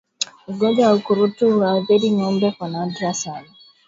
Ugonjwa wa ukurutu hauwaathiri ngombe kwa nadra sana